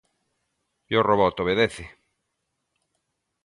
E o robot obedece.